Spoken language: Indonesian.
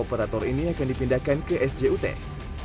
kabel udara jenis fiberoptik yang dipindahkan ke sjut akan dipindahkan ke sjut